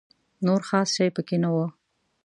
نور خاص شی په کې نه و.